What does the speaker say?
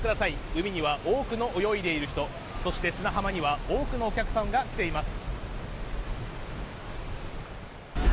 海には多くの泳いでいる人そして、砂浜には多くのお客さんが来ています。